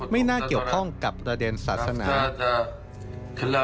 ไม่น่าเกี่ยวข้องกับประเด็นศาสนา